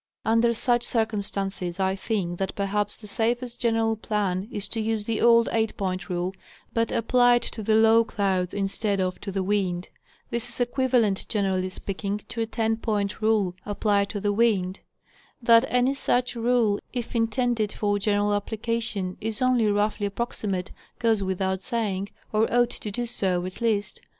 Under such circumstances, I think that perhaps the safest general plan is to use the old 8 point rule, but applied to the low clouds, instead of to the wind. This is equivalent, generally speaking, to a 10 point 208 National Geographic Magazine. rule, applied to the wind. That any such rule, if intended for general application, is only roughly approximate, goes without Saying, or ought to do so, at least.